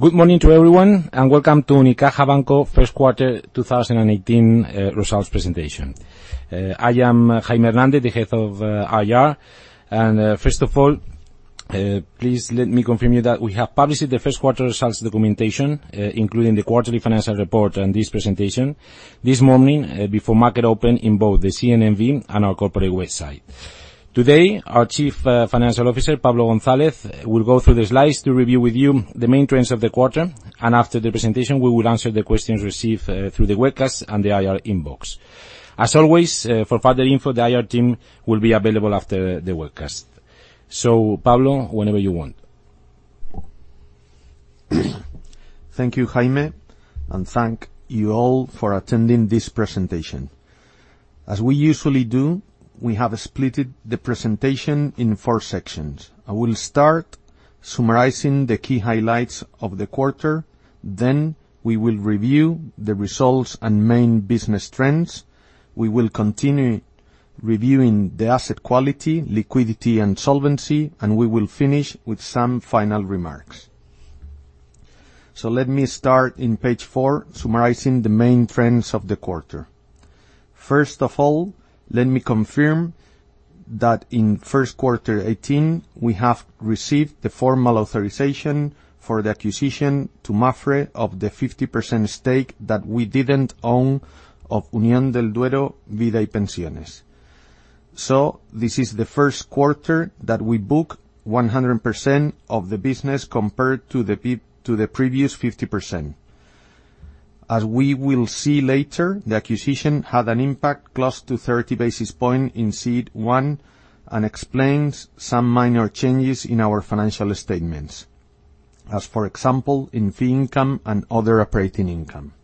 Good morning to everyone, and welcome to Unicaja Banco first quarter 2018 results presentation. I am Jaime Hernández, the Head of IR. First of all, please let me confirm you that we have published the first quarter results documentation, including the quarterly financial report and this presentation this morning before market open in both the CNMV and our corporate website. Today, our Chief Financial Officer, Pablo González, will go through the slides to review with you the main trends of the quarter. After the presentation, we will answer the questions received through the webcast and the IR inbox. As always, for further info, the IR team will be available after the webcast. Pablo, whenever you want. Thank you, Jaime. Thank you all for attending this presentation. As we usually do, we have split the presentation in four sections. I will start summarizing the key highlights of the quarter. We will review the results and main business trends. We will continue reviewing the asset quality, liquidity, and solvency. We will finish with some final remarks. Let me start in page four, summarizing the main trends of the quarter. First of all, let me confirm that in first quarter 2018, we have received the formal authorization for the acquisition to Mapfre of the 50% stake that we didn't own of Unión del Duero Vida y Pensiones. This is the first quarter that we book 100% of the business compared to the previous 50%. As we will see later, the acquisition had an impact close to 30 basis points in CET1 and explains some minor changes in our financial statements. For example, in fee income and other operating income.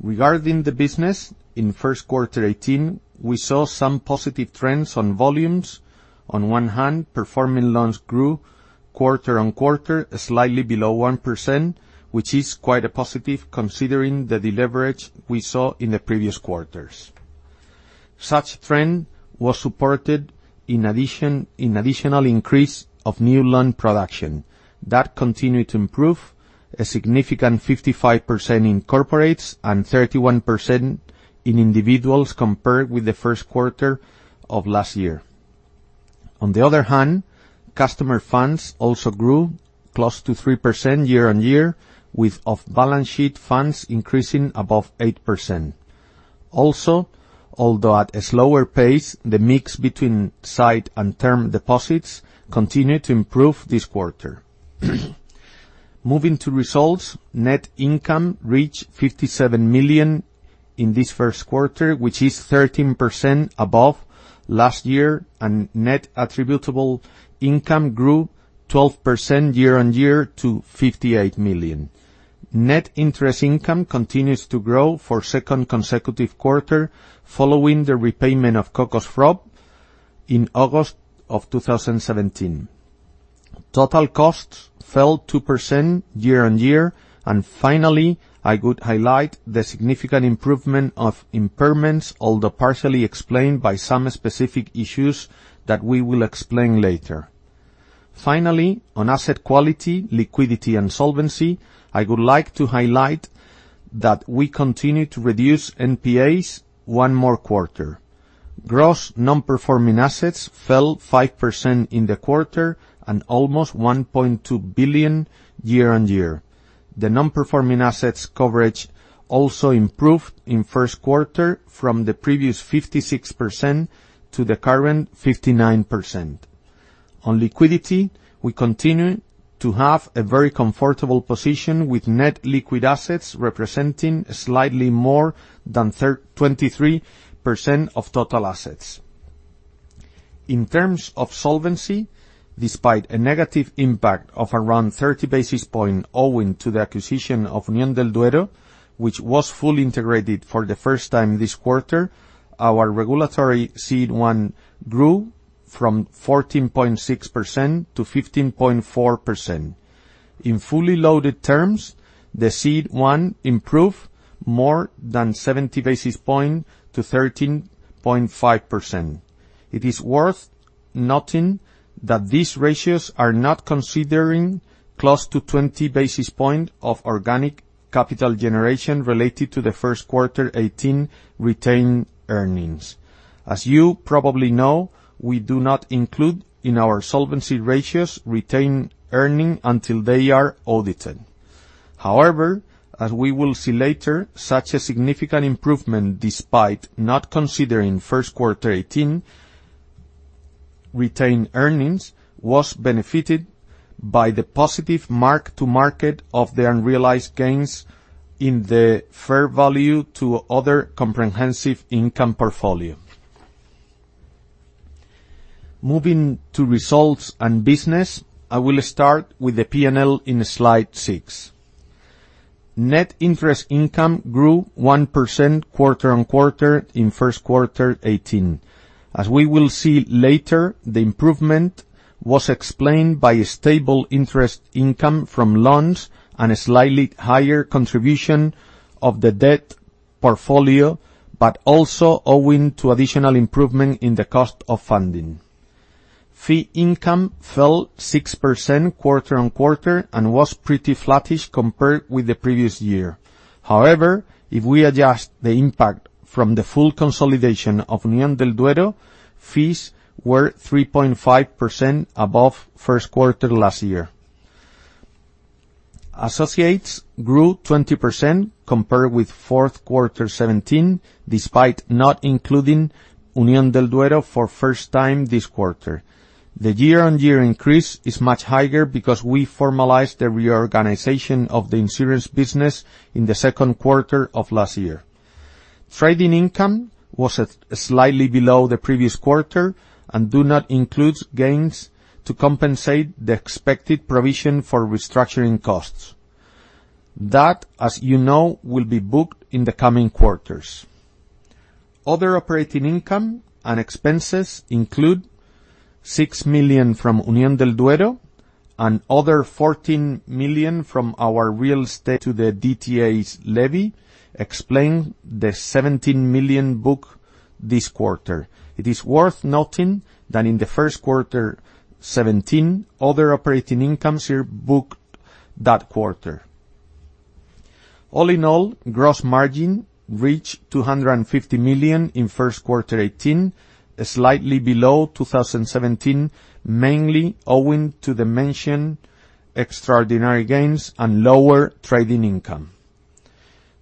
Regarding the business, in first quarter 2018, we saw some positive trends on volumes. On one hand, performing loans grew quarter-on-quarter, slightly below 1%, which is quite a positive considering the deleverage we saw in the previous quarters. Such trend was supported in additional increase of new loan production. Continued to improve a significant 55% in corporates and 31% in individuals compared with the first quarter of last year. Customer funds also grew close to 3% year-on-year, with off-balance sheet funds increasing above 8%. Although at a slower pace, the mix between sight and term deposits continued to improve this quarter. Moving to results, net income reached 57 million in this first quarter, which is 13% above last year. Net attributable income grew 12% year-on-year to 58 million. Net interest income continues to grow for a second consecutive quarter following the repayment of CoCos FROB in August of 2017. Total costs fell 2% year-on-year. Finally, I would highlight the significant improvement of impairments, although partially explained by some specific issues that we will explain later. Finally, on asset quality, liquidity, and solvency, I would like to highlight that we continue to reduce NPAs one more quarter. Gross non-performing assets fell 5% in the quarter and almost 1.2 billion year-on-year. The non-performing assets coverage also improved in first quarter from the previous 56% to the current 59%. On liquidity, we continue to have a very comfortable position with net liquid assets representing slightly more than 23% of total assets. In terms of solvency, despite a negative impact of around 30 basis points owing to the acquisition of Unión del Duero, which was fully integrated for the first time this quarter, our regulatory CET1 grew from 14.6% to 15.4%. In fully loaded terms, the CET1 improved more than 70 basis points to 13.5%. It is worth noting that these ratios are not considering close to 20 basis points of organic capital generation related to the first quarter 2018 retained earnings. As you probably know, we do not include in our solvency ratios retained earnings until they are audited. However, as we will see later, such a significant improvement despite not considering first quarter 2018 retained earnings, was benefited by the positive mark-to-market of the unrealized gains in the fair value to other comprehensive income portfolio. Moving to results and business, I will start with the P&L in slide six. Net interest income grew 1% quarter-on-quarter in first quarter 2018. As we will see later, the improvement was explained by stable interest income from loans and a slightly higher contribution of the debt portfolio, but also owing to additional improvement in the cost of funding. Fee income fell 6% quarter-on-quarter and was pretty flattish compared with the previous year. However, if we adjust the impact from the full consolidation of Unión del Duero, fees were 3.5% above first quarter last year. Associates grew 20% compared with fourth quarter 2017, despite not including Unión del Duero for first time this quarter. The year-on-year increase is much higher because we formalized the reorganization of the insurance business in the second quarter of last year. Trading income was slightly below the previous quarter and do not include gains to compensate the expected provision for restructuring costs. That, as you know, will be booked in the coming quarters. Other operating income and expenses include 6 million from Unión del Duero and other 14 million from our real estate to the DTAs levy, explain the 17 million book this quarter. It is worth noting that in the first quarter 2017, other operating incomes are booked that quarter. All in all, gross margin reached 250 million in first quarter 2018, slightly below 2017, mainly owing to the mentioned extraordinary gains and lower trading income.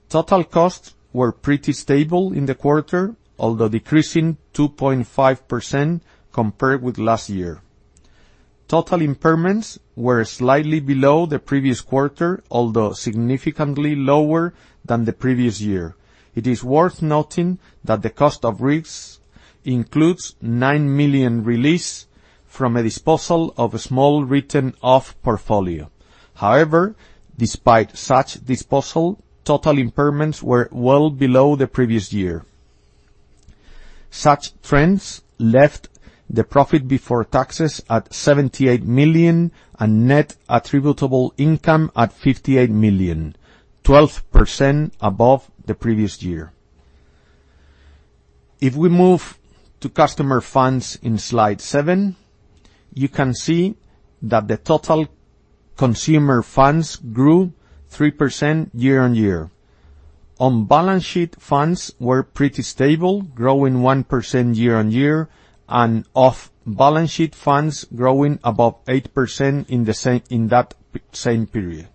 Total costs were pretty stable in the quarter, although decreasing 2.5% compared with last year. Total impairments were slightly below the previous quarter, although significantly lower than the previous year. It is worth noting that the cost of risks includes 9 million release from a disposal of a small written-off portfolio. However, despite such disposal, total impairments were well below the previous year. Such trends left the profit before taxes at 78 million and net attributable income at 58 million, 12% above the previous year. If we move to customer funds in slide seven, you can see that the total customer funds grew 3% year-on-year. On-balance sheet funds were pretty stable, growing 1% year-on-year, and off-balance sheet funds growing above 8% in that same period.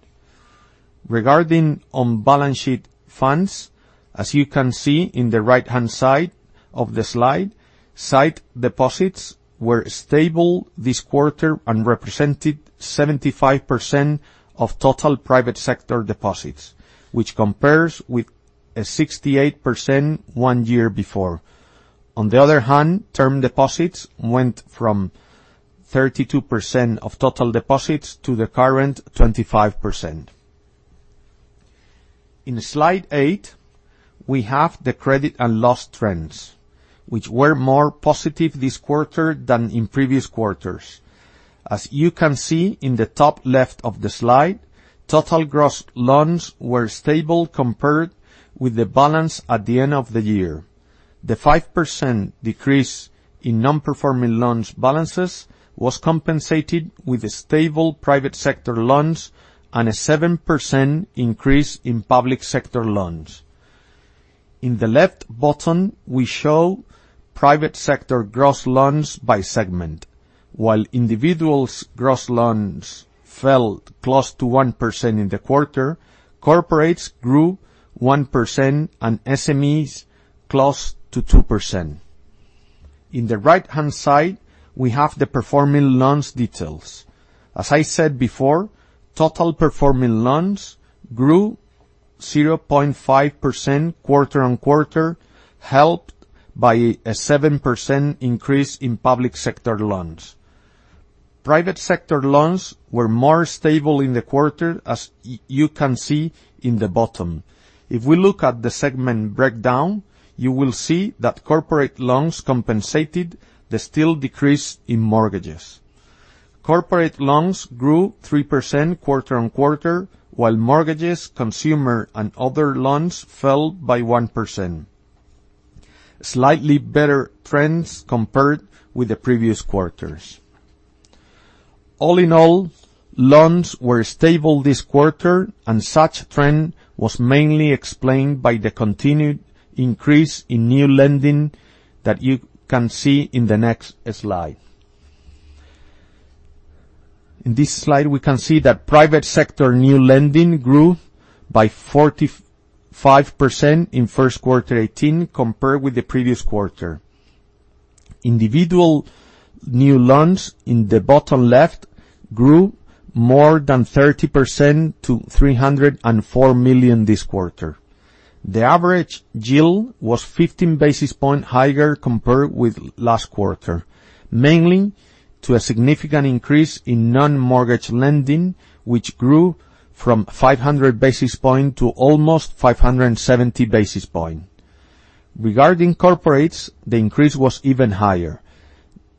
Regarding on-balance sheet funds, as you can see in the right-hand side of the slide, sight deposits were stable this quarter and represented 75% of total private sector deposits, which compares with a 68% one year before. On the other hand, term deposits went from 32% of total deposits to the current 25%. In slide eight, we have the credit and loss trends, which were more positive this quarter than in previous quarters. As you can see in the top left of the slide, total gross loans were stable compared with the balance at the end of the year. The 5% decrease in non-performing loans balances was compensated with stable private sector loans and a 7% increase in public sector loans. In the left bottom, we show private sector gross loans by segment. While individuals' gross loans fell close to 1% in the quarter, corporates grew 1% and SMEs close to 2%. In the right-hand side, we have the performing loans details. As I said before, total performing loans grew 0.5% quarter-on-quarter, helped by a 7% increase in public sector loans. Private sector loans were more stable in the quarter, as you can see in the bottom. If we look at the segment breakdown, you will see that corporate loans compensated the still decrease in mortgages. Corporate loans grew 3% quarter-on-quarter, while mortgages, consumer, and other loans fell by 1%. Slightly better trends compared with the previous quarters. All in all, loans were stable this quarter, and such trend was mainly explained by the continued increase in new lending that you can see in the next slide. In this slide, we can see that private sector new lending grew by 45% in first quarter 2018 compared with the previous quarter. Individual new loans in the bottom left grew more than 30% to 304 million this quarter. The average yield was 15 basis points higher compared with last quarter, mainly to a significant increase in non-mortgage lending, which grew from 500 basis points to almost 570 basis points. Regarding corporates, the increase was even higher.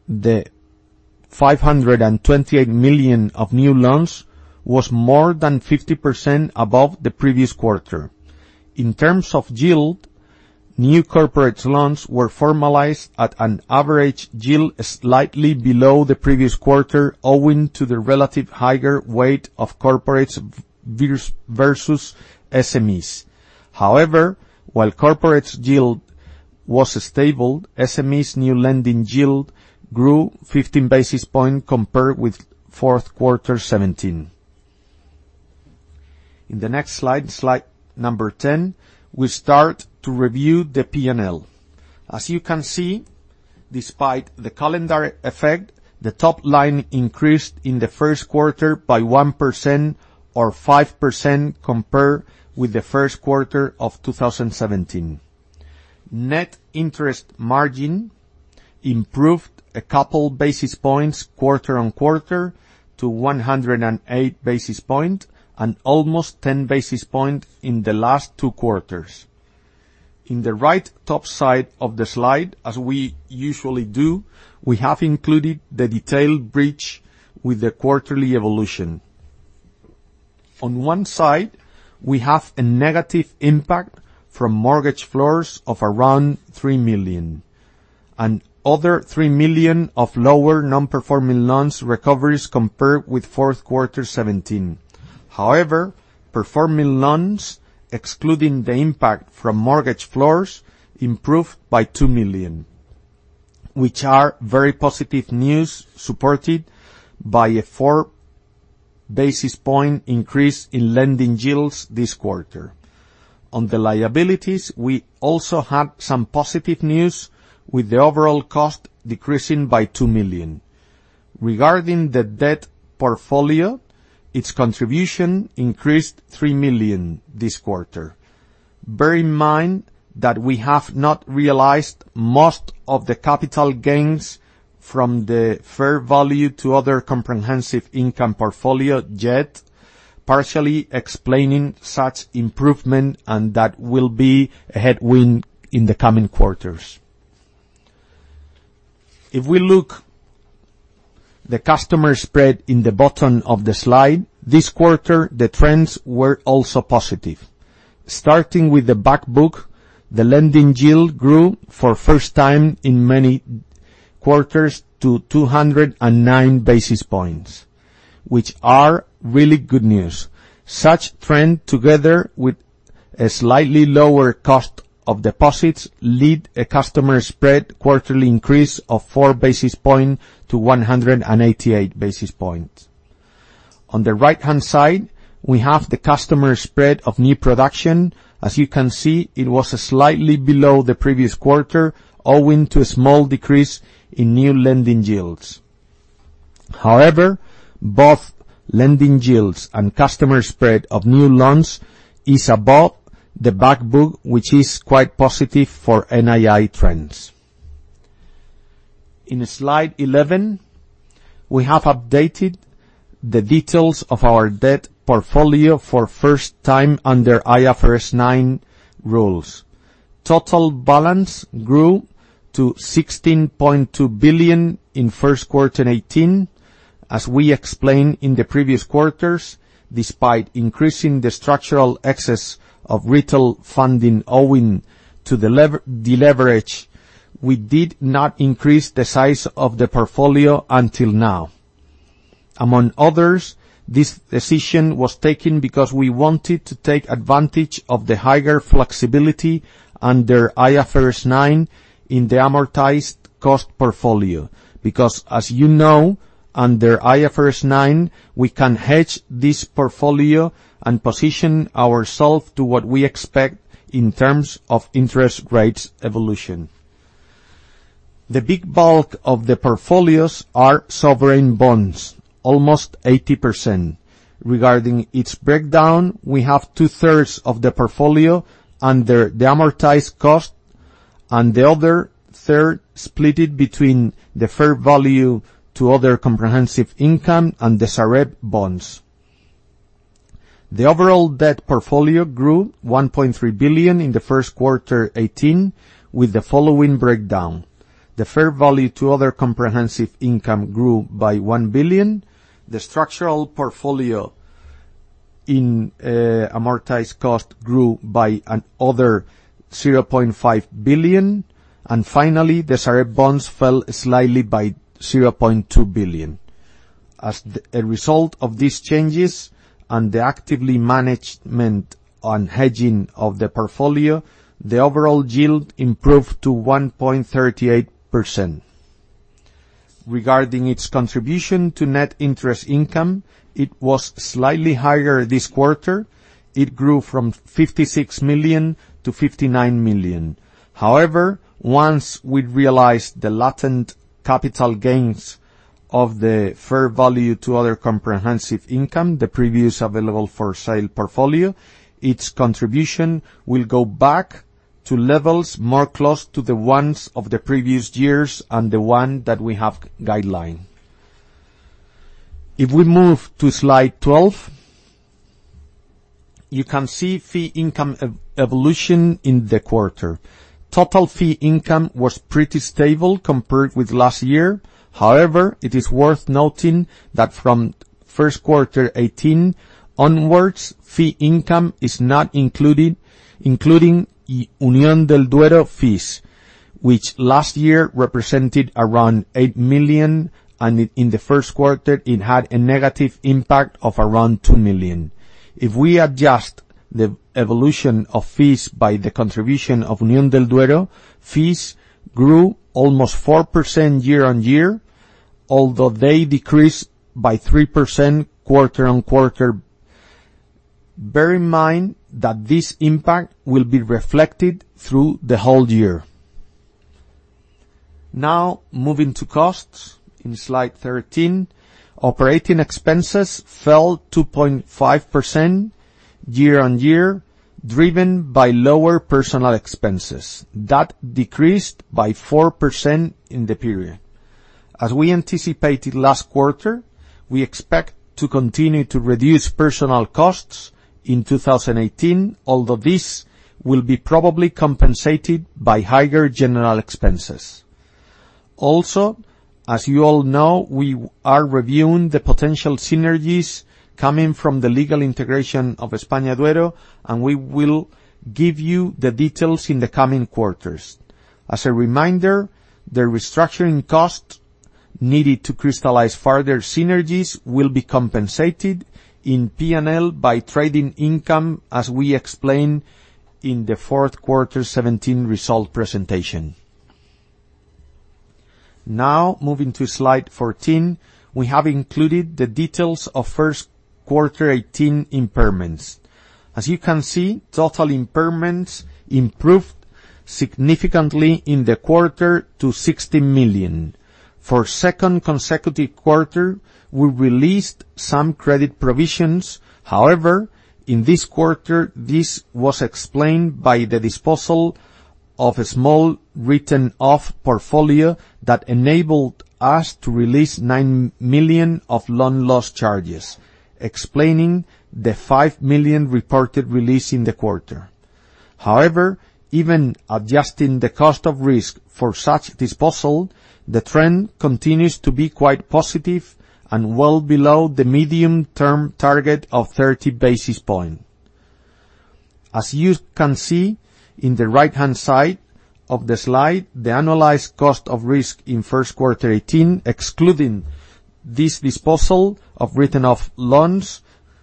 The 528 million of new loans was more than 50% above the previous quarter. In terms of yield New corporate loans were formalized at an average yield slightly below the previous quarter, owing to the relative higher weight of corporates versus SMEs. However, while corporate yield was stable, SMEs new lending yield grew 15 basis points compared with fourth quarter 2017. In the next slide number 10, we start to review the P&L. As you can see, despite the calendar effect, the top line increased in the first quarter by 1% or 5% compared with the first quarter of 2017. Net interest margin improved a couple basis points quarter-on-quarter to 108 basis points and almost 10 basis points in the last two quarters. In the right top side of the slide, as we usually do, we have included the detailed bridge with the quarterly evolution. On one side, we have a negative impact from mortgage floors of around 3 million, and other 3 million of lower non-performing loans recoveries compared with fourth quarter 2017. However, performing loans, excluding the impact from mortgage floors, improved by 2 million, which are very positive news, supported by a four basis points increase in lending yields this quarter. On the liabilities, we also had some positive news, with the overall cost decreasing by 2 million. Regarding the debt portfolio, its contribution increased 3 million this quarter. Bear in mind that we have not realized most of the capital gains from the fair value to other comprehensive income portfolio yet, partially explaining such improvement, and that will be a headwind in the coming quarters. If we look the customer spread in the bottom of the slide, this quarter, the trends were also positive. Starting with the back book, the lending yield grew for first time in many quarters to 209 basis points, which are really good news. Such trend, together with a slightly lower cost of deposits, lead a customer spread quarterly increase of four basis point to 188 basis points. On the right-hand side, we have the customer spread of new production. As you can see, it was slightly below the previous quarter, owing to a small decrease in new lending yields. However, both lending yields and customer spread of new loans is above the back book, which is quite positive for NII trends. In slide 11, we have updated the details of our debt portfolio for first time under IFRS 9 rules. Total balance grew to 16.2 billion in first quarter 2018. As we explained in the previous quarters, despite increasing the structural excess of retail funding owing to the deleverage, we did not increase the size of the portfolio until now. Among others, this decision was taken because we wanted to take advantage of the higher flexibility under IFRS 9 in the amortized cost portfolio, because as you know, under IFRS 9, we can hedge this portfolio and position ourselves to what we expect in terms of interest rates evolution. The big bulk of the portfolios are sovereign bonds, almost 80%. Regarding its breakdown, we have two-thirds of the portfolio under the amortized cost, and the other third splitted between the fair value to other comprehensive income and the Sareb bonds. The overall debt portfolio grew 1.3 billion in the first quarter 2018, with the following breakdown. The fair value to other comprehensive income grew by 1 billion. The structural portfolio in amortized cost grew by another 0.5 billion. Finally, the Sareb bonds fell slightly by 0.2 billion. As a result of these changes and the actively management on hedging of the portfolio, the overall yield improved to 1.38%. Regarding its contribution to net interest income, it was slightly higher this quarter. It grew from 56 million to 59 million. However, once we realized the latent capital gains of the fair value to other comprehensive income, the previous available-for-sale portfolio, its contribution will go back to levels more close to the ones of the previous years and the one that we have guideline. If we move to slide 12, you can see fee income evolution in the quarter. Total fee income was pretty stable compared with last year. However, it is worth noting that from first quarter 2018 onwards, fee income is not including Unión del Duero fees, which last year represented around 8 million, and in the first quarter, it had a negative impact of around 2 million. If we adjust the evolution of fees by the contribution of Unión del Duero, fees grew almost 4% year-on-year, although they decreased by 3% quarter-on-quarter. Bear in mind that this impact will be reflected through the whole year. Moving to costs in slide 13, operating expenses fell 2.5% year-on-year, driven by lower personal expenses. That decreased by 4% in the period. As we anticipated last quarter, we expect to continue to reduce personal costs in 2018, although this will be probably compensated by higher general expenses. Also, as you all know, we are reviewing the potential synergies coming from the legal integration of EspañaDuero, and we will give you the details in the coming quarters. As a reminder, the restructuring costs needed to crystallize further synergies will be compensated in P&L by trading income, as we explained in the fourth quarter 2017 result presentation. Moving to slide 14, we have included the details of first quarter 2018 impairments. Total impairments improved significantly in the quarter to 60 million. For a second consecutive quarter, we released some credit provisions. In this quarter, this was explained by the disposal of a small written-off portfolio that enabled us to release 9 million of loan loss charges, explaining the 5 million reported release in the quarter. Even adjusting the cost of risk for such disposal, the trend continues to be quite positive and well below the medium-term target of 30 basis points. In the right-hand side of the slide, the annualized cost of risk in first quarter 2018, excluding this disposal of written-off loans,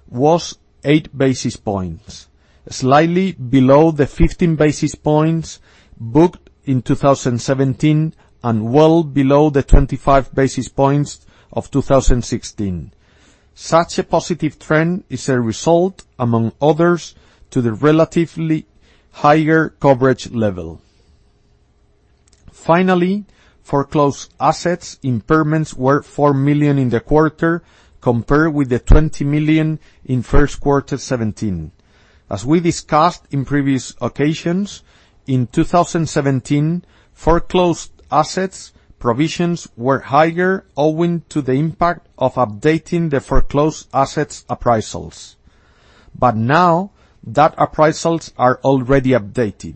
was eight basis points, slightly below the 15 basis points booked in 2017 and well below the 25 basis points of 2016. Such a positive trend is a result, among others, to the relatively higher coverage level. Foreclosed assets impairments were 4 million in the quarter, compared with the 20 million in first quarter 2017. As we discussed in previous occasions, in 2017, foreclosed assets provisions were higher owing to the impact of updating the foreclosed assets' appraisals. Now that appraisals are already updated,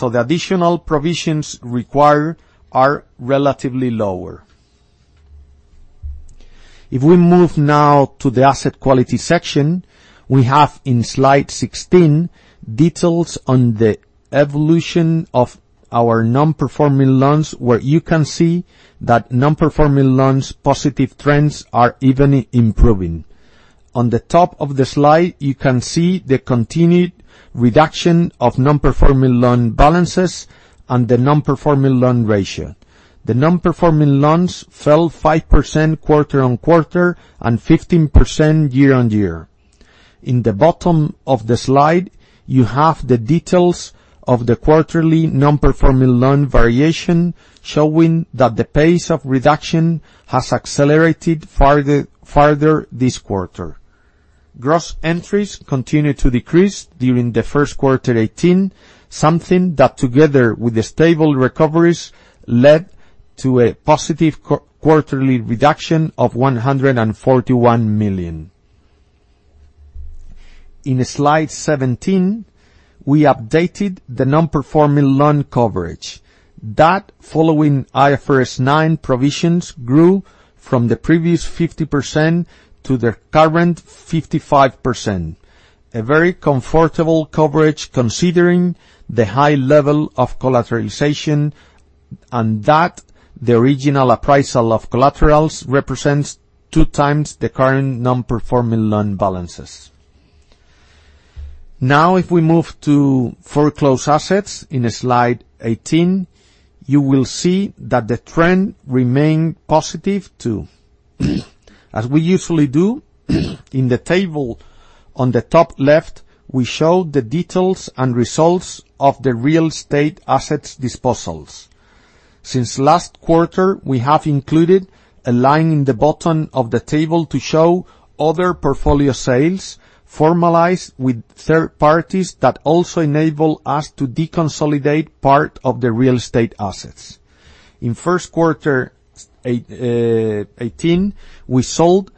the additional provisions required are relatively lower. We move to the asset quality section, we have in slide 16, details on the evolution of our non-performing loans, non-performing loans' positive trends are even improving. On the top of the slide, the continued reduction of non-performing loan balances and the non-performing loan ratio. The non-performing loans fell 5% quarter-on-quarter and 15% year-on-year. In the bottom of the slide, you have the details of the quarterly non-performing loan variation, showing that the pace of reduction has accelerated farther this quarter. Gross entries continued to decrease during the first quarter 2018, something that, together with the stable recoveries, led to a positive quarterly reduction of 141 million. In slide 17, we updated the non-performing loan coverage. That following IFRS 9 provisions grew from the previous 50% to the current 55%, a very comfortable coverage considering the high level of collateralization, and that the original appraisal of collaterals represents two times the current non-performing loan balances. We move to foreclosed assets in slide 18, you will see that the trend remained positive, too. In the table on the top left, we show the details and results of the real estate assets disposals. Since last quarter, we have included a line in the bottom of the table to show other portfolio sales formalized with third parties that also enable us to deconsolidate part of the real estate assets. In first quarter 2018, we sold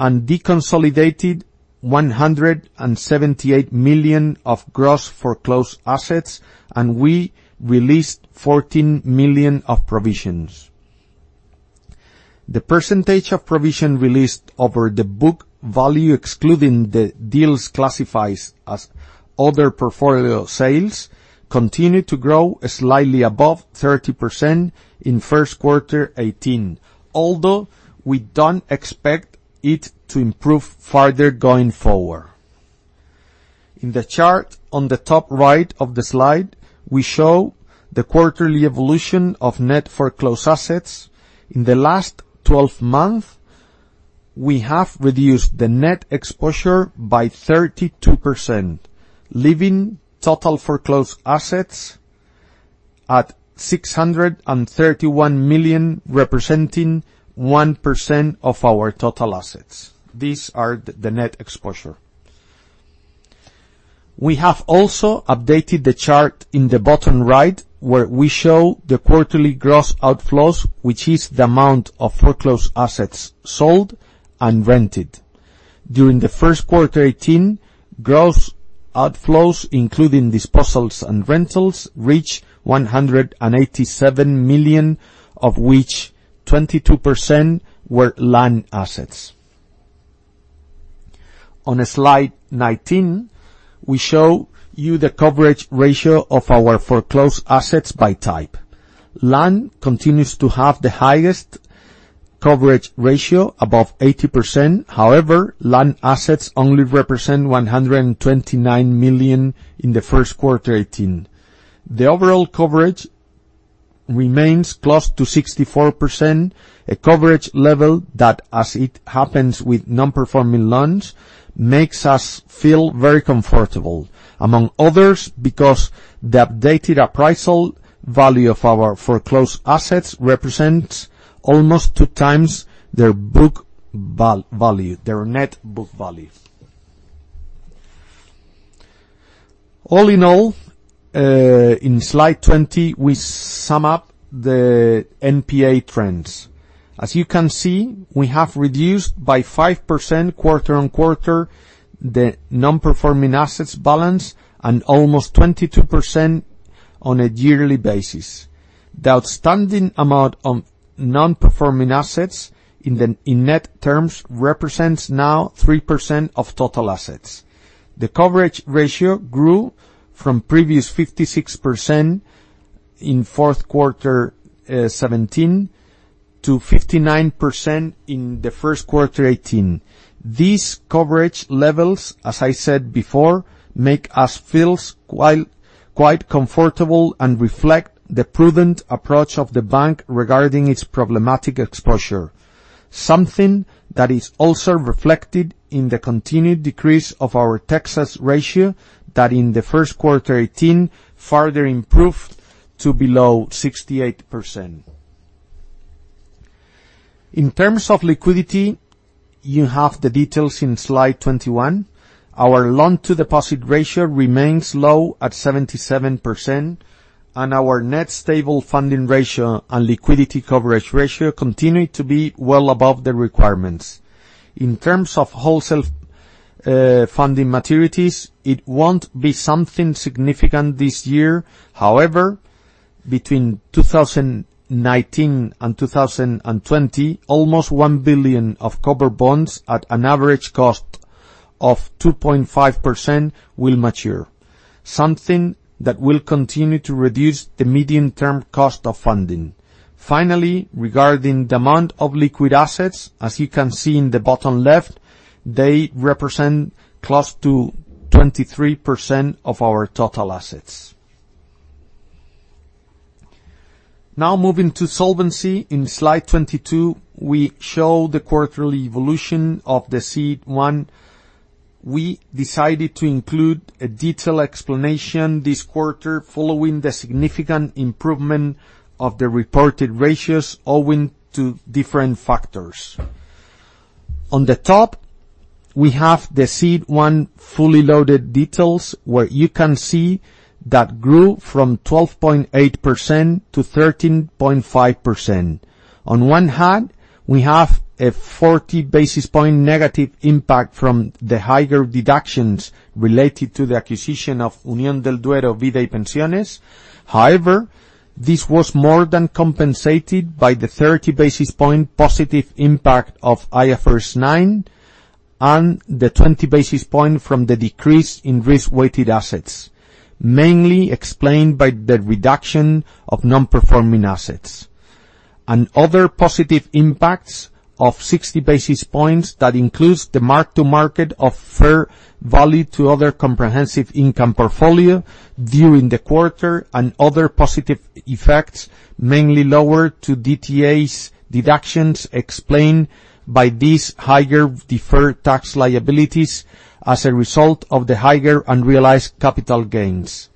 and deconsolidated 178 million of gross foreclosed assets, and we released 14 million of provisions. The percentage of provision released over the book value, excluding the deals classified as other portfolio sales, continued to grow slightly above 30% in first quarter 2018, although we don't expect it to improve further going forward. In the chart on the top right of the slide, we show the quarterly evolution of net foreclosed assets. In the last 12 months, we have reduced the net exposure by 32%, leaving total foreclosed assets at 631 million, representing 1% of our total assets. These are the net exposure. We have also updated the chart in the bottom right, where we show the quarterly gross outflows, which is the amount of foreclosed assets sold and rented. During the first quarter 2018, gross outflows, including disposals and rentals, reached 187 million, of which 22% were land assets. On slide 19, we show you the coverage ratio of our foreclosed assets by type. Land continues to have the highest coverage ratio, above 80%. However, land assets only represent 129 million in the first quarter 2018. The overall coverage remains close to 64%, a coverage level that, as it happens with non-performing loans, makes us feel very comfortable, among others, because the updated appraisal value of our foreclosed assets represents almost two times their net book value. All in all, in slide 20, we sum up the NPA trends. As you can see, we have reduced by 5% quarter-on-quarter the non-performing assets balance, and almost 22% on a yearly basis. The outstanding amount of non-performing assets in net terms represents now 3% of total assets. The coverage ratio grew from previous 56% in fourth quarter 2017 to 59% in the first quarter 2018. These coverage levels, as I said before, make us feel quite comfortable and reflect the prudent approach of the bank regarding its problematic exposure, something that is also reflected in the continued decrease of our Texas ratio, that in the first quarter 2018 further improved to below 68%. In terms of liquidity, you have the details in slide 21. Our loan to deposit ratio remains low at 77%, and our net stable funding ratio and liquidity coverage ratio continue to be well above the requirements. In terms of wholesale funding maturities, it won't be something significant this year. However, between 2019 and 2020, almost 1 billion of CoCos FROB bonds at an average cost of 2.5% will mature, something that will continue to reduce the medium-term cost of funding. Finally, regarding the amount of liquid assets, as you can see in the bottom left, they represent close to 23% of our total assets. Now moving to solvency, in slide 22, we show the quarterly evolution of the CET1. We decided to include a detailed explanation this quarter following the significant improvement of the reported ratios owing to different factors. On the top, we have the CET1 fully loaded details, where you can see that grew from 12.8% to 13.5%. On one hand, we have a 40 basis point negative impact from the higher deductions related to the acquisition of Unión del Duero Vida y Pensiones. However, this was more than compensated by the 30 basis points positive impact of IFRS 9 and the 20 basis points from the decrease in risk-weighted assets, mainly explained by the reduction of non-performing assets. Other positive impacts of 60 basis points that includes the mark-to-market of fair value to other comprehensive income portfolio during the quarter, and other positive effects, mainly lower DTAs deductions explained by these higher deferred tax liabilities as a result of the higher unrealized capital gains.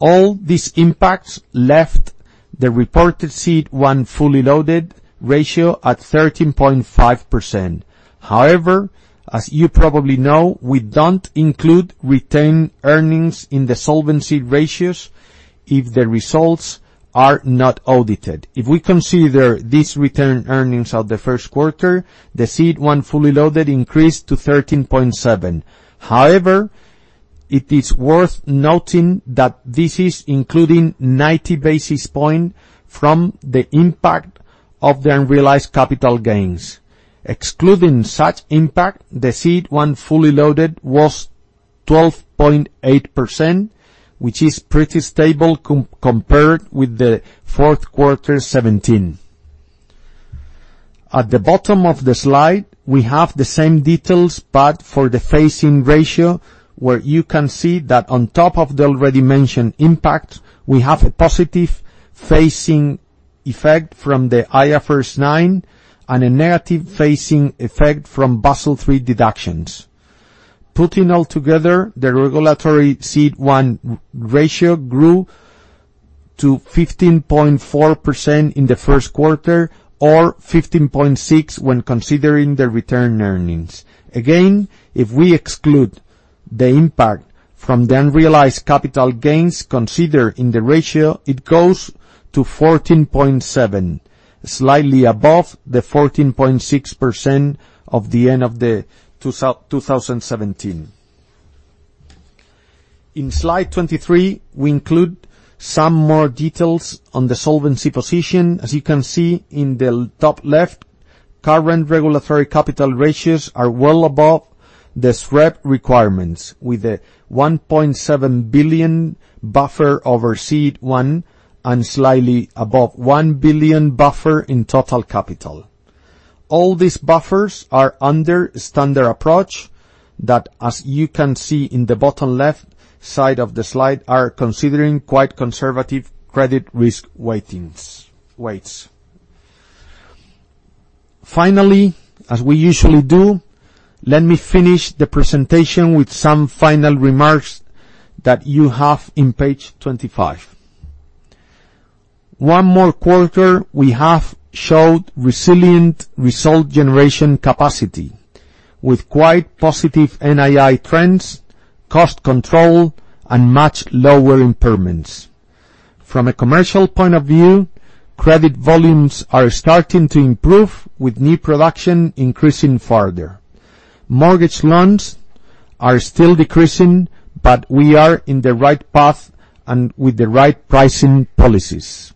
All these impacts left the reported CET1 fully loaded ratio at 13.5%. However, as you probably know, we don't include retained earnings in the solvency ratios. If the results are not audited. If we consider this retained earnings of the first quarter, the CET1 fully loaded increased to 13.7%. However, it is worth noting that this is including 90 basis points from the impact of the unrealized capital gains. Excluding such impact, the CET1 fully loaded was 12.8%, which is pretty stable compared with the fourth quarter 2017. At the bottom of the slide, we have the same details but for the phasing ratio, where you can see that on top of the already mentioned impact, we have a positive phasing effect from the IFRS 9, and a negative phasing effect from Basel III deductions. Putting all together, the regulatory CET1 ratio grew to 15.4% in the first quarter or 15.6% when considering the retained earnings. If we exclude the impact from the unrealized capital gains considered in the ratio, it goes to 14.7%, slightly above the 14.6% of the end of 2017. In slide 23, we include some more details on the solvency position. As you can see in the top left, current regulatory capital ratios are well above the SREP requirements, with a 1.7 billion buffer over CET1, and slightly above 1 billion buffer in total capital. All these buffers are under standard approach that, as you can see in the bottom left side of the slide, are considering quite conservative credit risk weights. Finally, as we usually do, let me finish the presentation with some final remarks that you have on page 25. One more quarter, we have showed resilient result generation capacity, with quite positive NII trends, cost control, and much lower impairments. From a commercial point of view, credit volumes are starting to improve with new production increasing further. Mortgage loans are still decreasing, but we are on the right path and with the right pricing policies.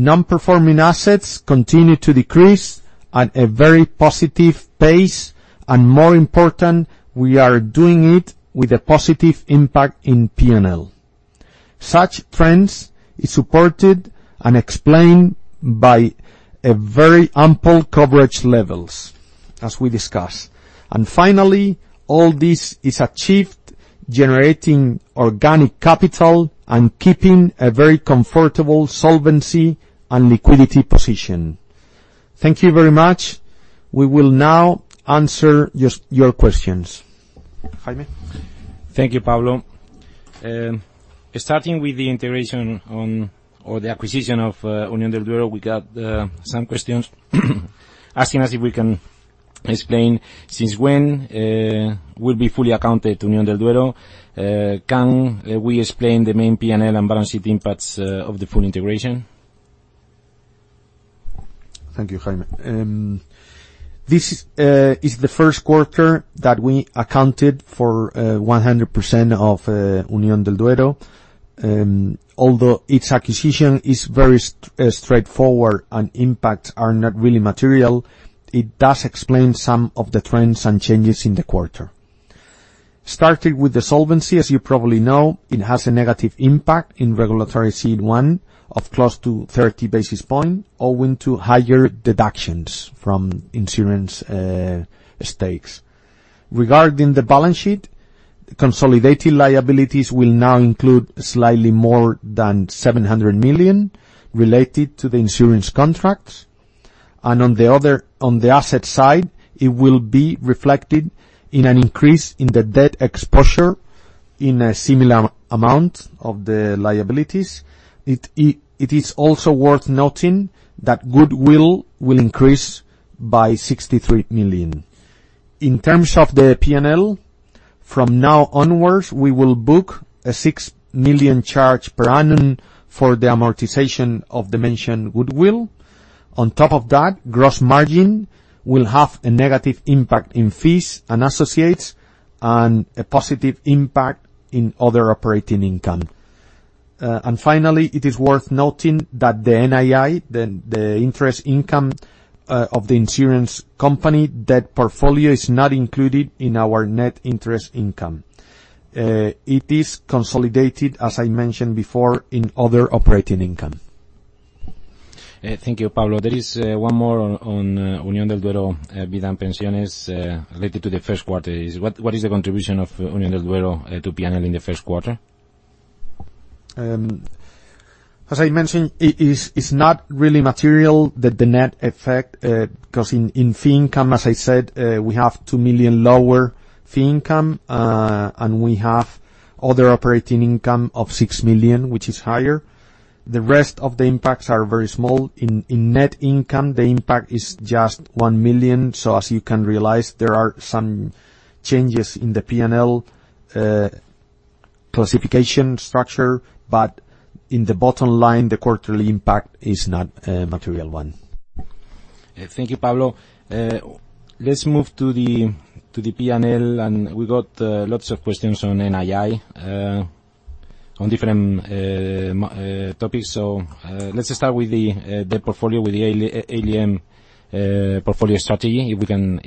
Non-performing assets continue to decrease at a very positive pace, and more important, we are doing it with a positive impact in P&L. Such trends is supported and explained by very ample coverage levels, as we discussed. Finally, all this is achieved generating organic capital and keeping a very comfortable solvency and liquidity position. Thank you very much. We will now answer your questions. Jaime? Thank you, Pablo. Starting with the integration or the acquisition of Unión del Duero, we got some questions. Asking us if we can explain since when will be fully accounted Unión del Duero. Can we explain the main P&L and balance sheet impacts of the full integration? Thank you, Jaime. This is the first quarter that we accounted for 100% of Unión del Duero. Although its acquisition is very straightforward and impacts are not really material, it does explain some of the trends and changes in the quarter. Starting with the solvency, as you probably know, it has a negative impact on regulatory CET1 of close to 30 basis point, owing to higher deductions from insurance stakes. Regarding the balance sheet, consolidated liabilities will now include slightly more than 700 million related to the insurance contracts. On the asset side, it will be reflected in an increase in the debt exposure in a similar amount of the liabilities. It is also worth noting that goodwill will increase by 63 million. In terms of the P&L, from now onwards, we will book a 6 million charge per annum for the amortization of the mentioned goodwill. On top of that, gross margin will have a negative impact on fees and associates and a positive impact on other operating income. Finally, it is worth noting that the NII, the interest income of the insurance company, that portfolio is not included in our net interest income. It is consolidated, as I mentioned before, in other operating income. Thank you, Pablo. There is one more on Unión del Duero Vida Pensiones related to the first quarter. What is the contribution of Unión del Duero to P&L in the first quarter? As I mentioned, it's not really material, the net effect, because in fee income, as I said, we have 2 million lower fee income, and we have other operating income of 6 million, which is higher. The rest of the impacts are very small. In net income, the impact is just 1 million. As you can realize, there are some changes in the P&L classification structure, but in the bottom line, the quarterly impact is not a material one. Thank you, Pablo. Let's move to the P&L. We got lots of questions on NII, on different topics. Let's just start with the portfolio, with the ALM portfolio strategy, if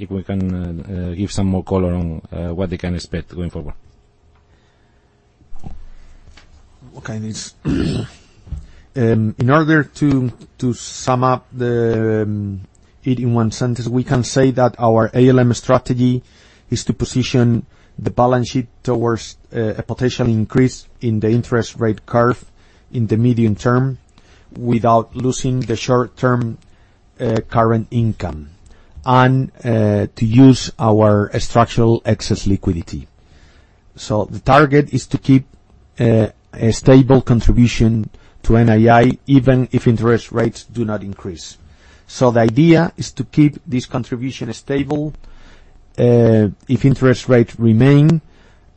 we can give some more color on what they can expect going forward. Okay. In order to sum up it in one sentence, we can say that our ALM strategy is to position the balance sheet towards a potential increase in the interest rate curve in the medium term, without losing the short-term current income, and to use our structural excess liquidity. The target is to keep a stable contribution to NII, even if interest rates do not increase. The idea is to keep this contribution stable if interest rates remain,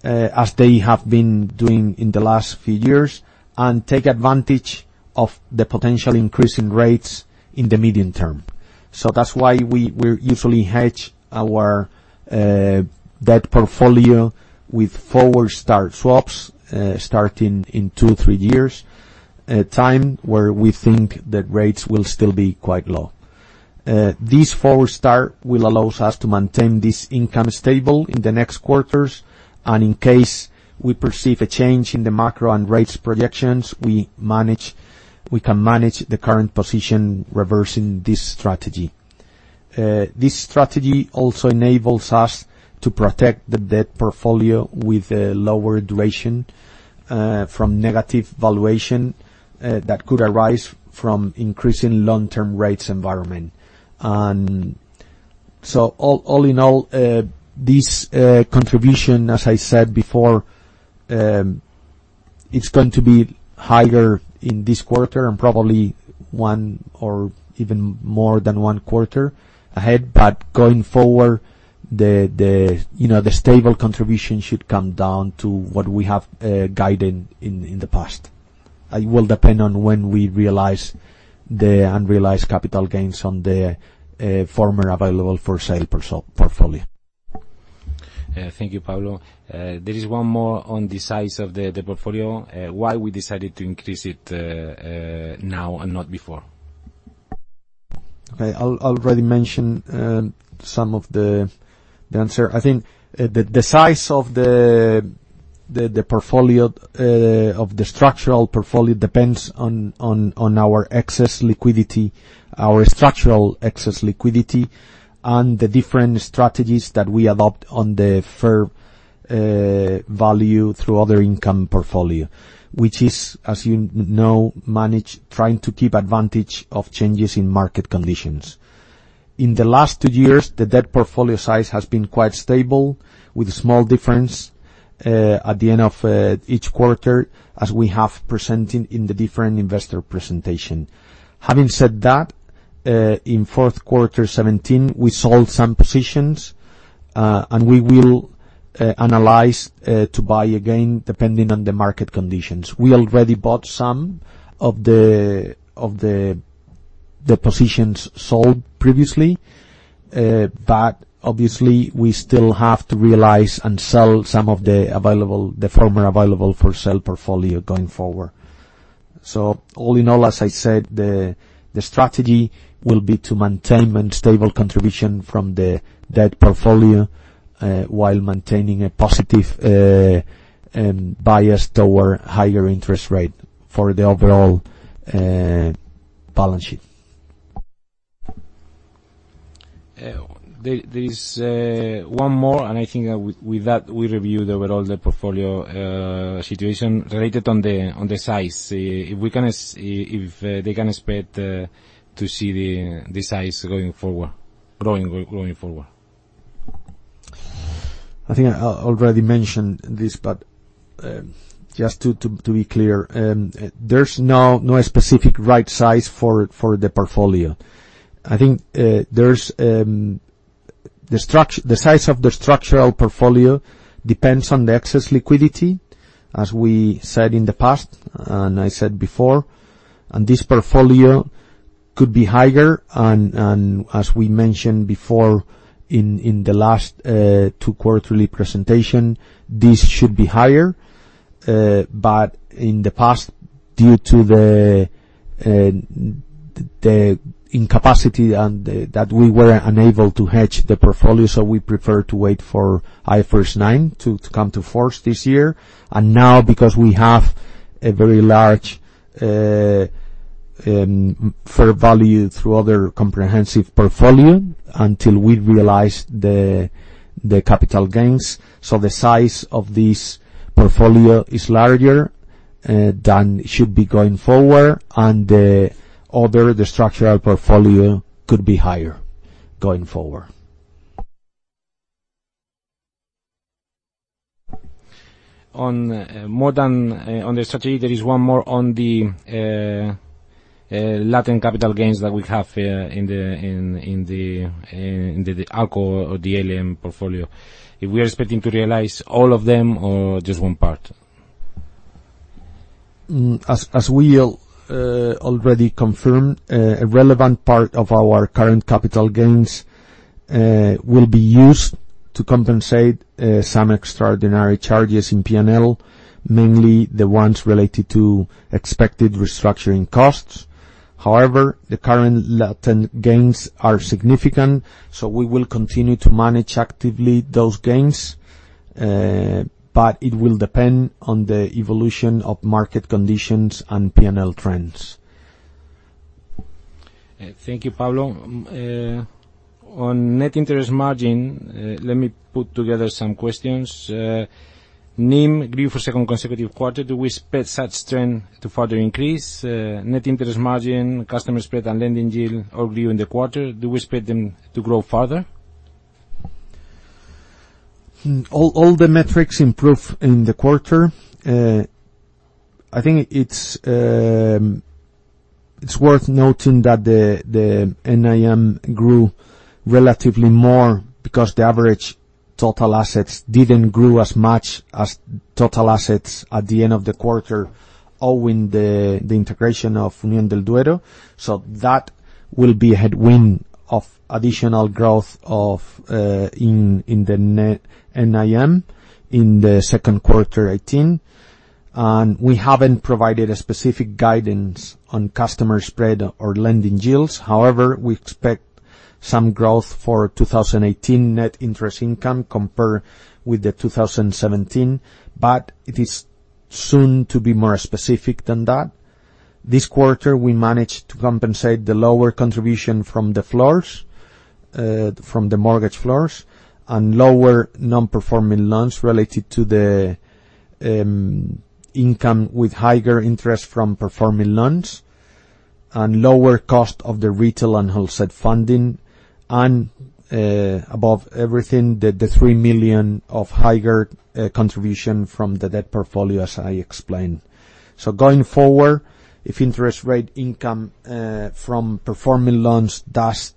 as they have been doing in the last few years, and take advantage of the potential increase in rates in the medium term. That's why we usually hedge our debt portfolio with forward start swaps, starting in two, three years' time, where we think that rates will still be quite low. This forward start will allow us to maintain this income stable in the next quarters. In case we perceive a change in the macro and rates projections, we can manage the current position, reversing this strategy. This strategy also enables us to protect the debt portfolio with a lower duration from negative valuation that could arise from increasing long-term rates environment. All in all, this contribution, as I said before, it's going to be higher in this quarter, and probably one or even more than one quarter ahead. Going forward, the stable contribution should come down to what we have guided in the past. It will depend on when we realize the unrealized capital gains on the former available-for-sale portfolio. Thank you, Pablo. There is one more on the size of the portfolio, why we decided to increase it now and not before. I already mentioned some of the answer. I think the size of the structural portfolio depends on our structural excess liquidity, and the different strategies that we adopt on the fair value through other income portfolio, which is, as you know, trying to keep advantage of changes in market conditions. In the last two years, the debt portfolio size has been quite stable, with a small difference at the end of each quarter as we have presented in the different investor presentation. Having said that, in fourth quarter 2017, we sold some positions, and we will analyze to buy again, depending on the market conditions. We already bought some of the positions sold previously. Obviously, we still have to realize and sell some of the former available-for-sale portfolio going forward. All in all, as I said, the strategy will be to maintain a stable contribution from the debt portfolio, while maintaining a positive bias toward higher interest rate for the overall balance sheet. There is one more, I think with that, we reviewed overall the portfolio situation related on the size. If they can expect to see the size growing forward. I think I already mentioned this, but just to be clear, there's no specific right size for the portfolio. I think the size of the structural portfolio depends on the excess liquidity, as we said in the past, and I said before. This portfolio could be higher, and as we mentioned before in the last two quarterly presentation, this should be higher. In the past, due to the incapacity and that we were unable to hedge the portfolio, so we prefer to wait for IFRS 9 to come to force this year. Now, because we have a very large fair value through other comprehensive portfolio, until we realize the capital gains. The size of this portfolio is larger than it should be going forward, and the other, the structural portfolio could be higher going forward. On the strategy, there is one more on the latent capital gains that we have in the ALCO or the ALM portfolio. If we are expecting to realize all of them or just one part? As we already confirmed, a relevant part of our current capital gains will be used to compensate some extraordinary charges in P&L, mainly the ones related to expected restructuring costs. However, the current latent gains are significant, so we will continue to manage actively those gains, but it will depend on the evolution of market conditions and P&L trends. Thank you, Pablo. On net interest margin, let me put together some questions. NIM grew for a second consecutive quarter. Do we expect such trend to further increase net interest margin, customer spread and lending yield all grew in the quarter? Do we expect them to grow further? All the metrics improved in the quarter. I think it's worth noting that the NIM grew relatively more because the average total assets didn't grow as much as total assets at the end of the quarter, owing the integration of Unión del Duero. That will be a headwind of additional growth in the net NIM in the second quarter 2018. We haven't provided a specific guidance on customer spread or lending yields. However, we expect some growth for 2018 net interest income compared with the 2017. It is soon to be more specific than that. This quarter, we managed to compensate the lower contribution from the floors, from the mortgage floors, and lower non-performing loans related to the income, with higher interest from performing loans and lower cost of the retail and wholesale funding. Above everything, the 3 million of higher contribution from the debt portfolio, as I explained. Going forward, if interest rate income from performing loans does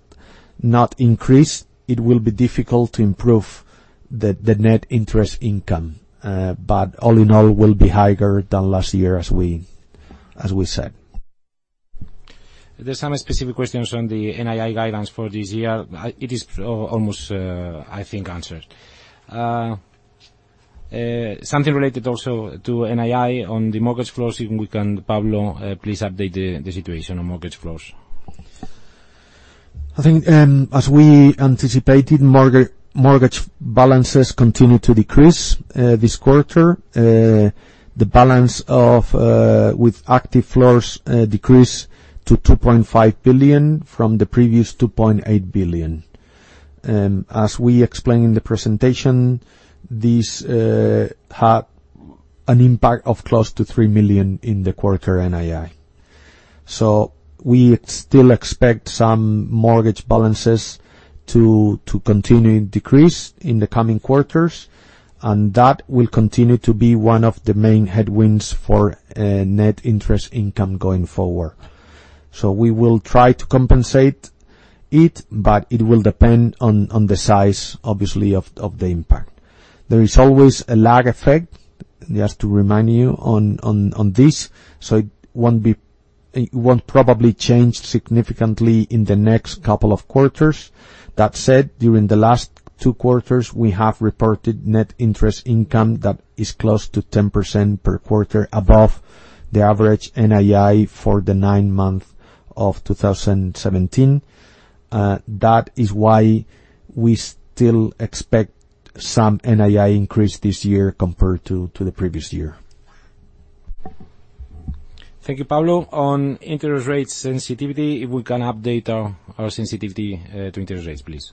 not increase, it will be difficult to improve the net interest income. All in all, will be higher than last year, as we said. There's some specific questions on the NII guidelines for this year. It is almost, I think, answered. Something related also to NII on the mortgage floors, if we can, Pablo, please update the situation on mortgage floors. I think, as we anticipated, mortgage balances continued to decrease this quarter. The balance with active floors decreased to 2.5 billion from the previous 2.8 billion. As we explained in the presentation, these have an impact of close to 3 million in the quarter NII. We still expect some mortgage balances to continue to decrease in the coming quarters, and that will continue to be one of the main headwinds for net interest income going forward. We will try to compensate it, but it will depend on the size, obviously, of the impact. There is always a lag effect, just to remind you, on this, it won't probably change significantly in the next couple of quarters. That said, during the last two quarters, we have reported net interest income that is close to 10% per quarter above the average NII for the 9 months of 2017. That is why we still expect some NII increase this year compared to the previous year. Thank you, Pablo. On interest rate sensitivity, if we can update our sensitivity to interest rates, please.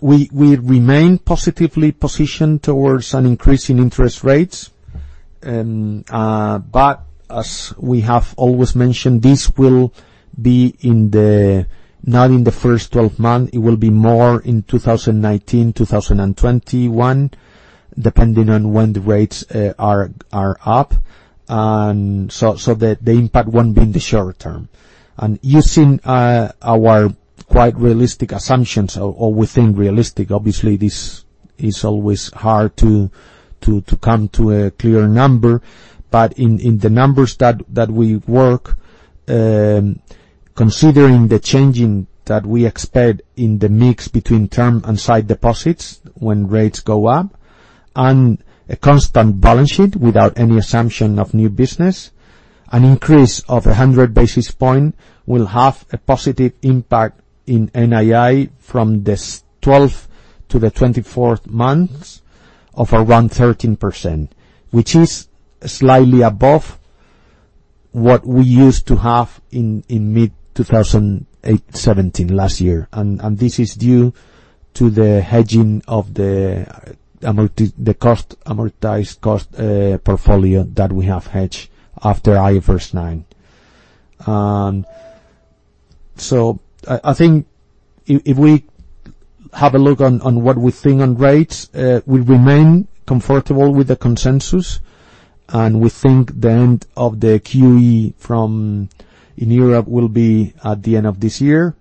We remain positively positioned towards an increase in interest rates. As we have always mentioned, this will be not in the first 12 months. It will be more in 2019, 2021, depending on when the rates are up. The impact won't be in the short-term. Using our quite realistic assumptions, or we think realistic, obviously, this is always hard to come to a clear number. In the numbers that we work, considering the changing that we expect in the mix between term and sight deposits when rates go up, and a constant balance sheet without any assumption of new business, an increase of 100 basis points will have a positive impact in NII from the 12th to the 24th months of around 13%, which is slightly above what we used to have in mid-2017, last year. This is due to the hedging of the amortized cost portfolio that we have hedged after IFRS 9. I think if we have a look on what we think on rates, we remain comfortable with the consensus, and we think the end of the QE in Europe will be at the end of this year.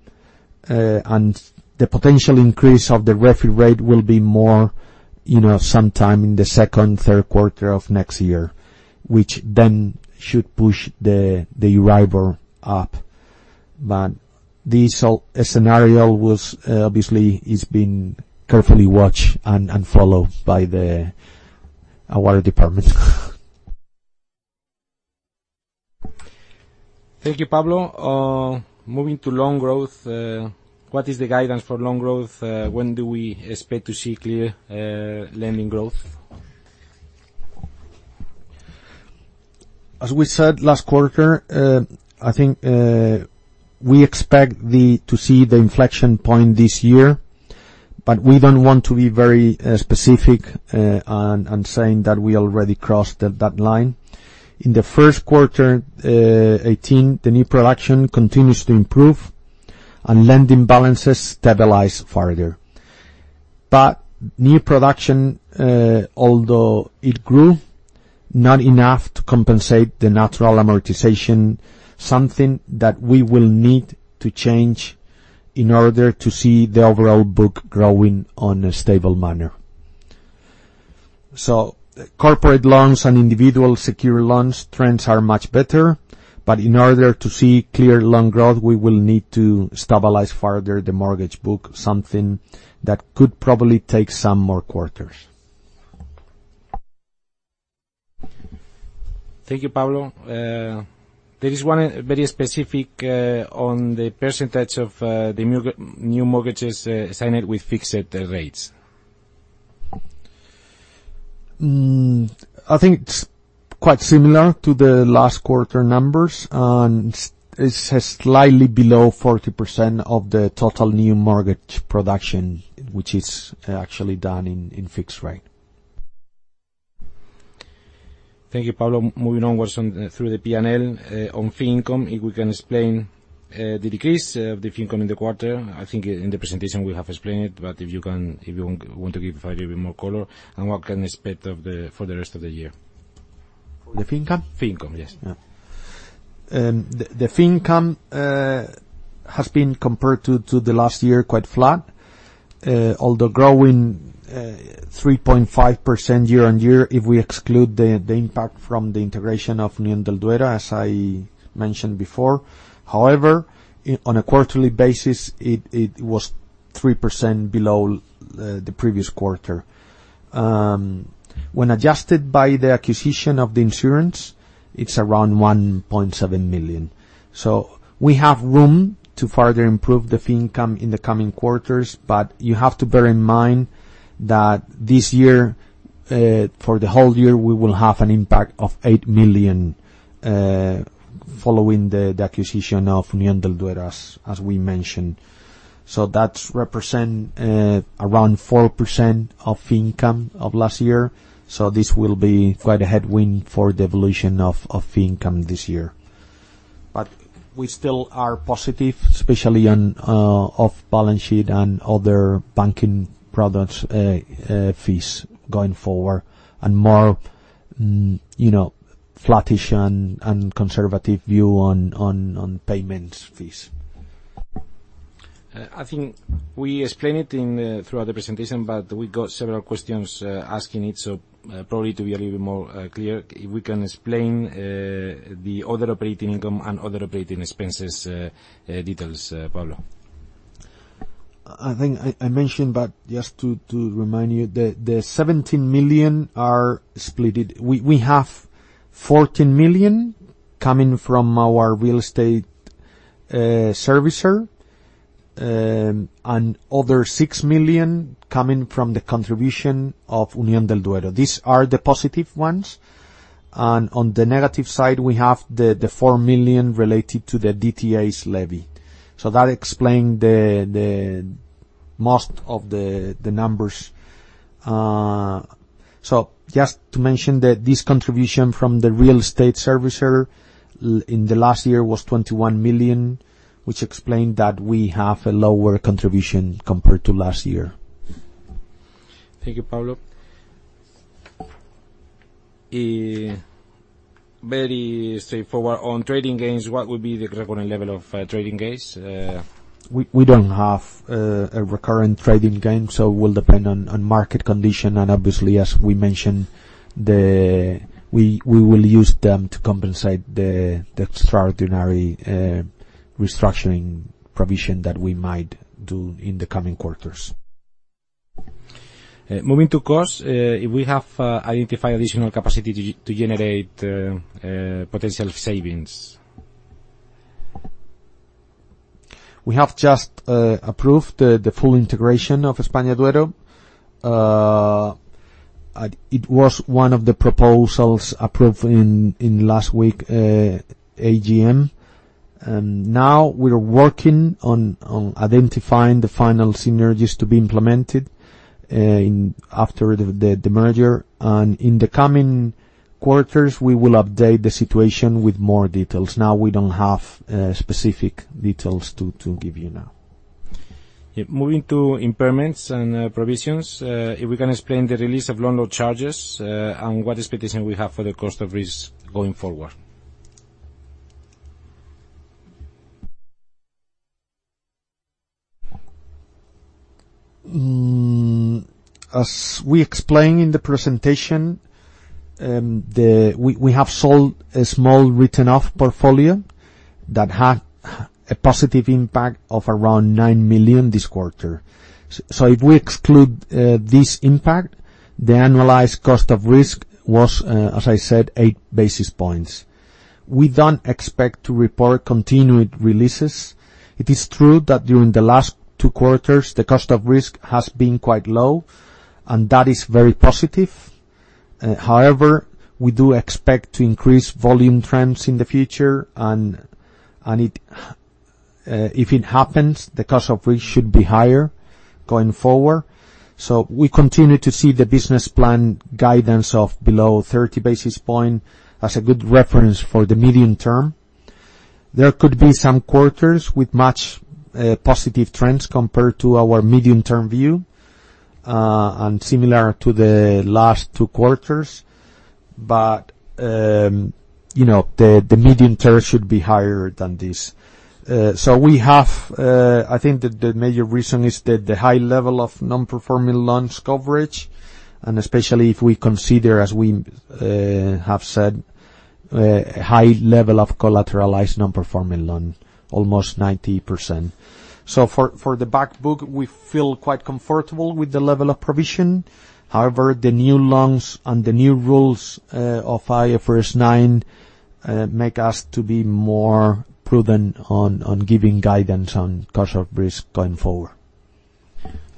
The potential increase of the reference rate will be more sometime in the second, third quarter of next year, which then should push the [arrival] up. This scenario obviously is being carefully watched and followed by our department. Thank you, Pablo. Moving to loan growth, what is the guidance for loan growth? When do we expect to see clear lending growth? As we said last quarter, I think we expect to see the inflection point this year, but we don't want to be very specific and saying that we already crossed that line. In the first quarter 2018, the new production continues to improve, and lending balances stabilize further. New production, although it grew, not enough to compensate the natural amortization, something that we will need to change in order to see the overall book growing on a stable manner. Corporate loans and individual secured loans trends are much better, but in order to see clear loan growth, we will need to stabilize further the mortgage book, something that could probably take some more quarters. Thank you, Pablo. There is one very specific on the percentage of the new mortgages signed with fixed rates. I think it's quite similar to the last quarter numbers, and it's slightly below 40% of the total new mortgage production, which is actually done in fixed rate. Thank you, Pablo. Moving onwards through the P&L. On fee income, if we can explain the decrease of the fee income in the quarter. I think in the presentation we have explained, but if you want to give a little bit more color, and what can we expect for the rest of the year. The fee income? Fee income, yes. Yeah. The fee income has been compared to the last year, quite flat. Although growing 3.5% year-on-year if we exclude the impact from the integration of Unión del Duero, as I mentioned before. However, on a quarterly basis, it was 3% below the previous quarter. When adjusted by the acquisition of the insurance, it's around 1.7 million. We have room to further improve the fee income in the coming quarters, but you have to bear in mind that this year, for the whole year, we will have an impact of 8 million, following the acquisition of Unión del Duero, as we mentioned. That represent around 4% of fee income of last year. This will be quite a headwind for the evolution of fee income this year. We still are positive, especially on off-balance sheet and other banking products fees going forward, and more flattish and conservative view on payments fees. I think we explained it throughout the presentation, but we got several questions asking it, so probably to be a little bit more clear, if we can explain the other operating income and other operating expenses details, Pablo. I think I mentioned, but just to remind you, the 17 million are split. We have 14 million coming from our real estate servicer, and 6 million coming from the contribution of Unión del Duero. These are the positive ones. On the negative side, we have the 4 million related to the DTAs levy. That explains most of the numbers. Just to mention that this contribution from the real estate servicer in the last year was 21 million, which explained that we have a lower contribution compared to last year. Thank you, Pablo. Very straightforward. On trading gains, what would be the recurring level of trading gains? We don't have a recurring trading gain, so will depend on market condition, and obviously, as we mentioned, we will use them to compensate the extraordinary restructuring provision that we might do in the coming quarters. Moving to costs, if we have identified additional capacity to generate potential savings. We have just approved the full integration of EspañaDuero. It was one of the proposals approved in last week AGM. Now we're working on identifying the final synergies to be implemented after the merger. In the coming quarters, we will update the situation with more details. Now, we don't have specific details to give you now. Yeah. Moving to impairments and provisions, if we can explain the release of loan loss charges, and what expectation we have for the cost of risk going forward. As we explained in the presentation, we have sold a small written-off portfolio that had a positive impact of around 9 million this quarter. If we exclude this impact, the annualized cost of risk was, as I said, eight basis points. We don't expect to report continued releases. It is true that during the last two quarters, the cost of risk has been quite low, and that is very positive. However, we do expect to increase volume trends in the future, and if it happens, the cost of risk should be higher going forward. We continue to see the business plan guidance of below 30 basis points as a good reference for the medium term. There could be some quarters with much positive trends compared to our medium-term view, and similar to the last two quarters. The medium term should be higher than this. I think the major reason is the high level of non-performing loans coverage, and especially if we consider, as we have said, a high level of collateralized non-performing loans, almost 90%. For the back book, we feel quite comfortable with the level of provision. However, the new loans and the new rules of IFRS 9 make us to be more prudent on giving guidance on cost of risk going forward.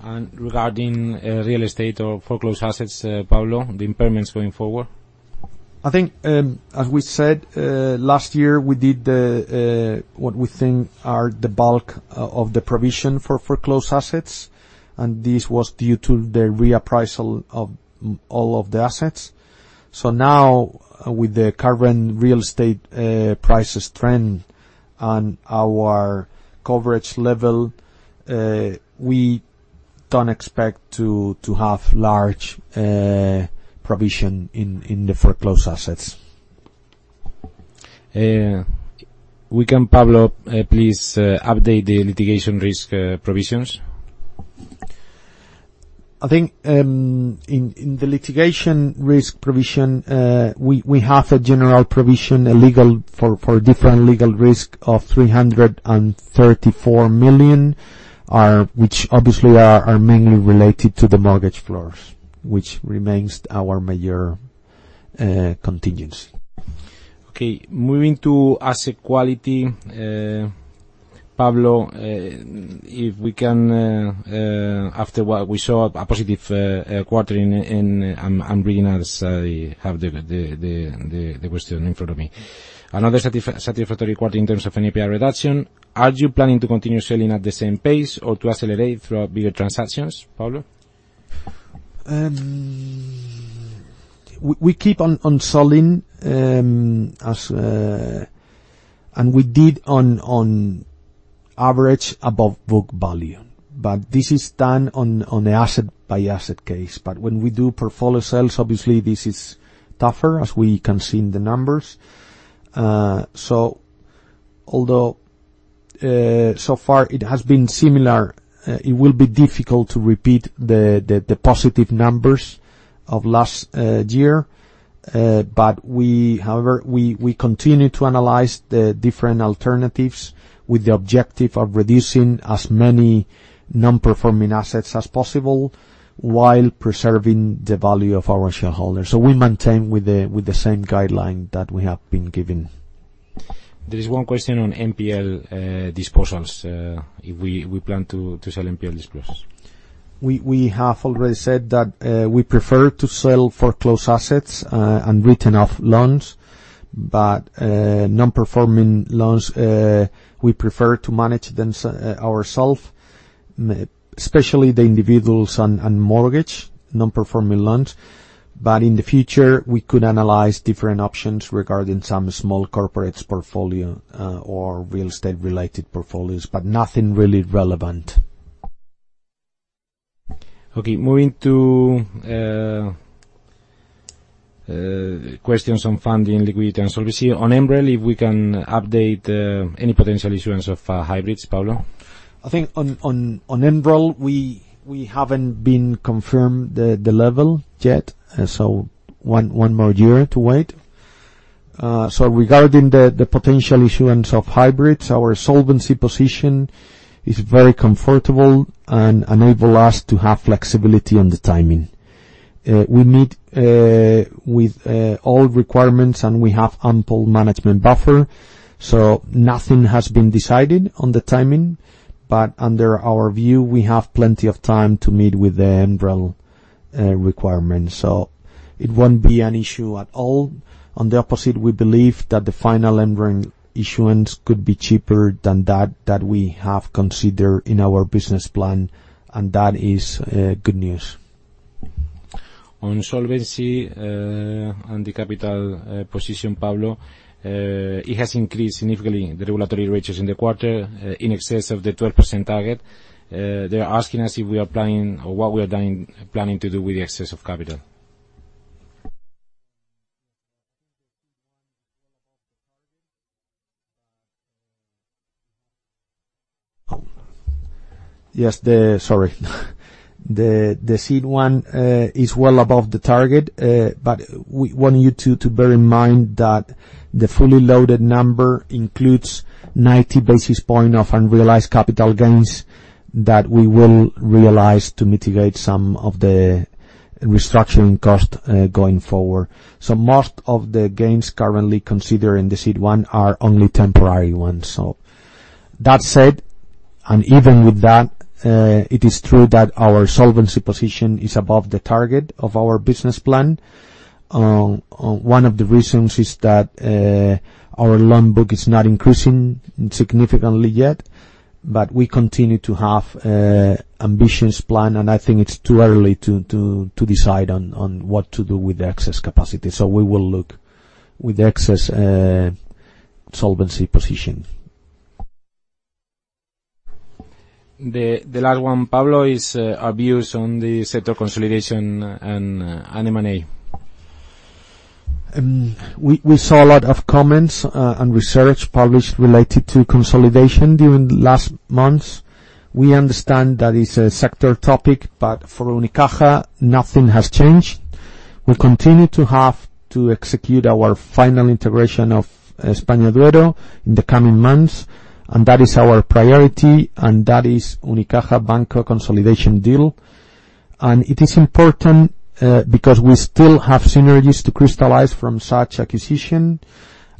Regarding real estate or foreclosed assets, Pablo, the impairments going forward. I think, as we said, last year, we did what we think are the bulk of the provision for foreclosed assets, and this was due to the reappraisal of all of the assets. Now, with the current real estate prices trend and our coverage level, we don't expect to have large provision in the foreclosed assets. We can, Pablo, please update the litigation risk provisions. I think, in the litigation risk provision, we have a general provision for different legal risk of 334 million, which obviously are mainly related to the mortgage floors, which remains our major contingency. Okay. Moving to asset quality, Pablo, we saw a positive quarter. I'm reading as I have the question in front of me. Another satisfactory quarter in terms of NPL reduction. Are you planning to continue selling at the same pace or to accelerate through bigger transactions, Pablo? We keep on selling, and we did on average above book value. This is done on an asset-by-asset case. When we do portfolio sales, obviously, this is tougher, as we can see in the numbers. Although so far it has been similar, it will be difficult to repeat the positive numbers of last year. We continue to analyze the different alternatives with the objective of reducing as many non-performing assets as possible while preserving the value of our shareholders. We maintain with the same guideline that we have been giving. There is one question on NPL disposals, if we plan to sell NPL disposals. We have already said that we prefer to sell foreclosed assets and written-off loans. Non-performing loans, we prefer to manage them ourselves, especially the individuals on mortgage non-performing loans. In the future, we could analyze different options regarding some small corporates portfolio or real estate-related portfolios, but nothing really relevant. Okay. Moving to questions on funding liquidity and solvency. On MREL, if we can update any potential issuance of hybrids, Pablo. I think on MREL, we haven't been confirmed the level yet, one more year to wait. Regarding the potential issuance of hybrids, our solvency position is very comfortable and enable us to have flexibility on the timing. We meet with all requirements, and we have ample management buffer, nothing has been decided on the timing. Under our view, we have plenty of time to meet with the MREL requirements, it won't be an issue at all. On the opposite, we believe that the final MREL issuance could be cheaper than that we have considered in our business plan, and that is good news. On solvency and the capital position, Pablo, it has increased significantly, the regulatory ratios in the quarter, in excess of the 12% target. They're asking us if we are planning or what we are planning to do with the excess of capital. Yes. Sorry. The CET1 is well above the target. We want you to bear in mind that the fully loaded number includes 90 basis points of unrealized capital gains that we will realize to mitigate some of the restructuring cost going forward. Most of the gains currently considered in the CET1 are only temporary ones. That said, and even with that, it is true that our solvency position is above the target of our business plan. One of the reasons is that our loan book is not increasing significantly yet. We continue to have ambitious plan, and I think it's too early to decide on what to do with the excess capacity. We will look with excess solvency position. The last one, Pablo, is our views on the sector consolidation and M&A. We saw a lot of comments and research published related to consolidation during the last months. We understand that it's a sector topic. For Unicaja, nothing has changed. We continue to have to execute our final integration of EspañaDuero in the coming months. That is our priority, and that is Unicaja Banco consolidation deal. It is important because we still have synergies to crystallize from such acquisition.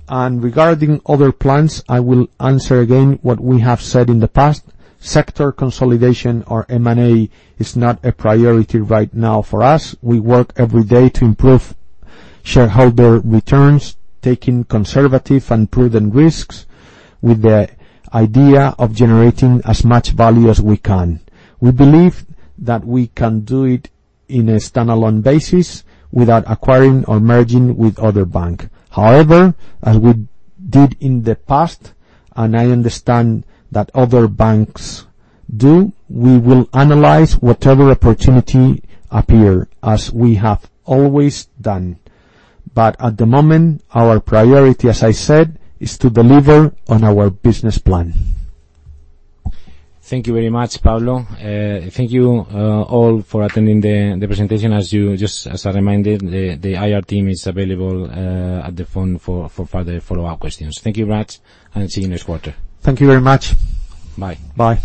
Regarding other plans, I will answer again what we have said in the past. Sector consolidation or M&A is not a priority right now for us. We work every day to improve shareholder returns, taking conservative and prudent risks, with the idea of generating as much value as we can. We believe that we can do it in a standalone basis without acquiring or merging with other bank. As we did in the past, and I understand that other banks do, we will analyze whatever opportunity appears, as we have always done. At the moment, our priority, as I said, is to deliver on our business plan. Thank you very much, Pablo. Thank you, all, for attending the presentation. Just as a reminder, the IR team is available at the phone for further follow-up questions. Thank you very much, and see you next quarter. Thank you very much. Bye. Bye.